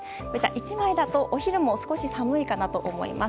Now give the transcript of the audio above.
１枚だけだとお昼も少し寒いかなと思います。